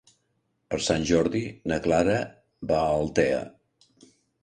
Per Sant Jordi na Clara va a Altea.